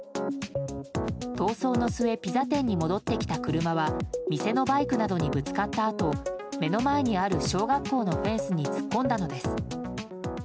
逃走の末ピザ店に戻ってきた車は店のバイクなどにぶつかったあと目の前にある小学校のフェンスに突っ込んだのです。